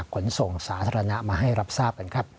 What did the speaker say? ขนส่งสาธารณะมาให้รับทราบกันครับ